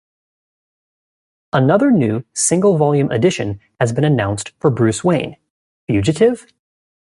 Another new single volume edition has been announced for Bruce Wayne - Fugitive?